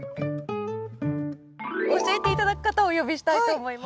教えて頂く方をお呼びしたいと思います。